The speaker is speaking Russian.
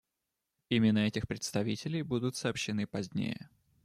Имена этих представителей будут сообщены позднее.